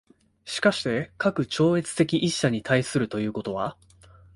而して、かく超越的一者に対するということは、